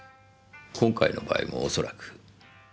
今回の場合も恐らく。